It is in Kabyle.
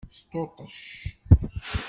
Sṭuṭec.